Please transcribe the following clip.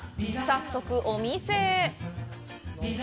早速、お店へ。